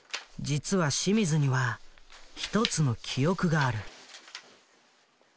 実は清水には１つの記憶がある。